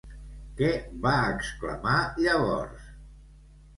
Què va exclamar llavors?